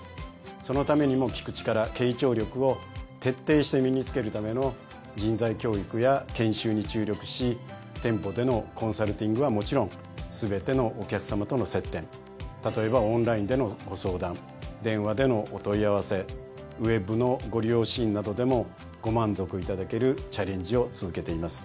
そのためにも「聴く力」傾聴力を徹底して身につけるための人材教育や研修に注力し店舗でのコンサルティングはもちろん全てのお客さまとの接点例えばオンラインでのご相談電話でのお問い合わせウェブのご利用シーンなどでもご満足いただけるチャレンジを続けています。